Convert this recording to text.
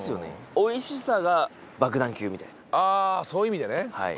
おいしさが爆弾級みたいなあそういう意味でねはい